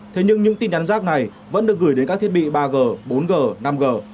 thế nhưng những tin nhắn rác này vẫn được gửi đến các thiết bị ba g bốn g năm g